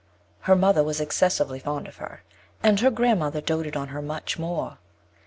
Her mother was excessively fond of her; and her grand mother doated on her much more.